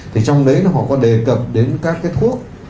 thì trong đấy nó có đề cập đến các cái thuốc